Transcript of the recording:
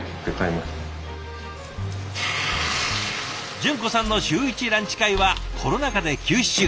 純子さんの週１ランチ会はコロナ禍で休止中。